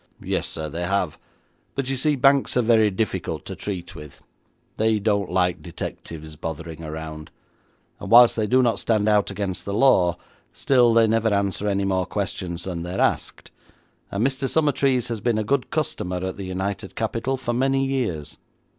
'Yes, sir, they have, but, you see, banks are very difficult to treat with. They don't like detectives bothering round, and whilst they do not stand out against the law, still they never answer any more questions than they're asked, and Mr. Summertrees has been a good customer at the United Capital for many years.'